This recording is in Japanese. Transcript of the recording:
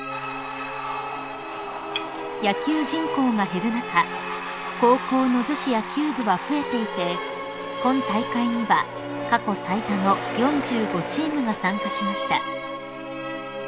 ［野球人口が減る中高校の女子野球部は増えていて今大会には過去最多の４５チームが参加しました］